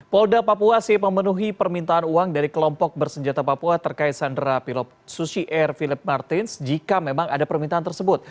polda papua siap memenuhi permintaan uang dari kelompok bersenjata papua terkait sandera pilot susi air philip martins jika memang ada permintaan tersebut